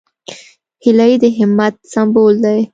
هیلۍ د همت سمبول ده